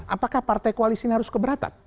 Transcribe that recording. apakah partai koalisi ini harus keberatan